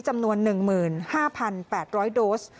จำนวน๑๕๘๐๐โดส